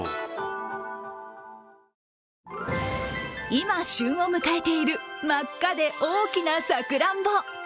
今、旬を迎えている真っ赤で大きなさくらんぼ。